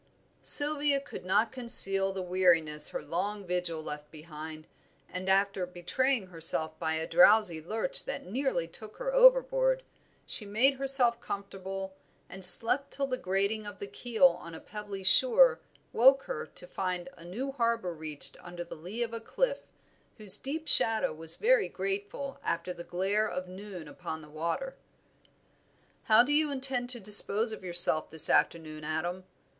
Sylvia could not conceal the weariness her long vigil left behind; and after betraying herself by a drowsy lurch that nearly took her overboard, she made herself comfortable, and slept till the grating of the keel on a pebbly shore woke her to find a new harbor reached under the lee of a cliff, whose deep shadow was very grateful after the glare of noon upon the water. "How do you intend to dispose of yourself this afternoon, Adam?"